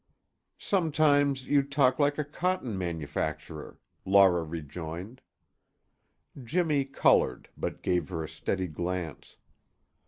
"Sometimes you talk like a cotton manufacturer," Laura rejoined. Jimmy colored but gave her a steady glance.